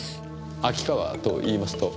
秋川といいますと。